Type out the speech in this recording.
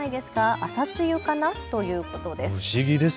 朝露かな？ということです。